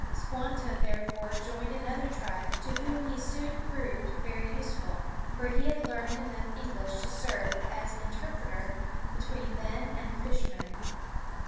Squanto therefore joined another tribe, to whom he soon proved very useful, for he had learned enough English to serve as interpreter between them and the fishermen.